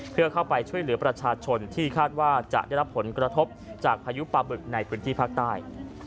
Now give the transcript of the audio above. เพื่อเข้าไปช่วยเหลือประชาชนที่คาดว่าจะได้รับผลกระทบจากพายุปลาบึกในพื้นที่ภาคใต้